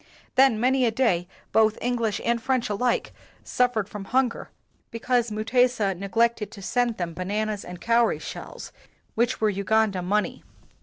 Then many a day both English and French alike suffered from hunger be cause Mutesa neglected to send them ba nanas and cowry shells, which were Uganda money.